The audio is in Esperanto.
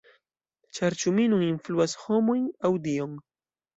Ĉar ĉu mi nun influas homojn, aŭ Dion?